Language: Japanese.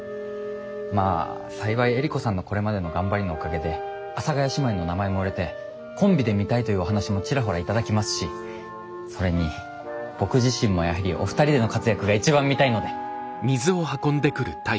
まぁ幸いエリコさんのこれまでの頑張りのおかげで阿佐ヶ谷姉妹の名前も売れてコンビで見たいというお話もちらほら頂きますしそれに僕自身もやはりお二人での活躍が一番見たいので。